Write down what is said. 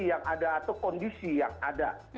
yang ada atau kondisi yang ada